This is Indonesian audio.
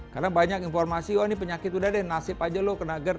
karena banyak informasi oh ini penyakit udah deh nasib aja loh kena gerd